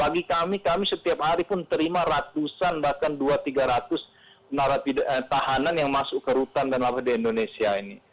bagi kami kami setiap hari pun terima ratusan bahkan dua tiga ratus narapi tahanan yang masuk ke rutan dan lapas di indonesia ini